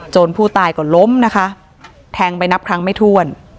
ผู้ตายก็ล้มนะคะแทงไปนับครั้งไม่ถ้วน